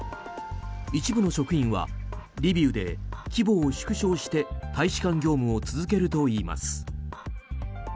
一部職員はリビウで規模を縮小して大使館業務を続けるといいます。